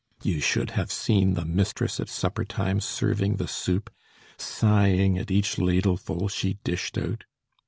You should have seen the mistress at supper time serving the soup, sighing at each ladleful she dished out.